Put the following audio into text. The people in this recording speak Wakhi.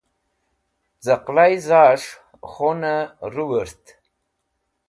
z̃aqlai za'esh khun'ey ruwurt